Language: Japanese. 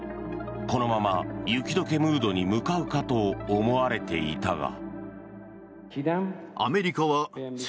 このまま雪解けムードに向かうかと思われていたが。